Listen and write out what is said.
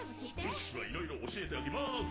うっしはいろいろ教えてあげまーす！